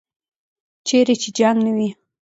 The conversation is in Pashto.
چیرې چې جنګ نه وي.